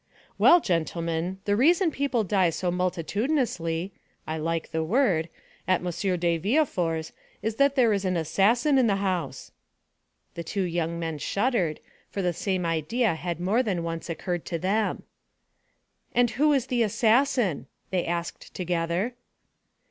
"Well, gentlemen, the reason people die so multitudinously (I like the word) at M. de Villefort's is that there is an assassin in the house!" The two young men shuddered, for the same idea had more than once occurred to them. "And who is the assassin;" they asked together.